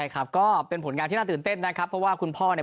ก็เป็นผลงานที่น่าตื่นเต้นนะครับเพราะว่าคุณพ่อเนี่ย